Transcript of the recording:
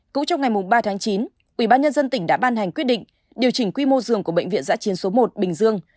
cũng trong ngày ba tháng chín ubnd tỉnh đã ban hành quyết định điều chỉnh quy mô dường của bệnh viện giã chiến số một bình dương